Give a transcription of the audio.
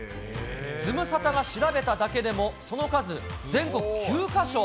ズムサタが調べただけでも、その数、全国９か所。